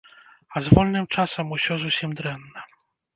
А з вольным часам усё зусім дрэнна.